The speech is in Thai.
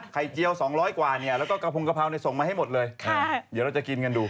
เจียว๒๐๐กว่าเนี่ยแล้วก็กระพงกะเพราส่งมาให้หมดเลยเดี๋ยวเราจะกินกันดู